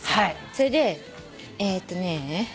それでえっとね。